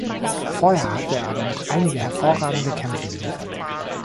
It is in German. Vorher hatte er aber noch einige hervorragende Kämpfe geliefert.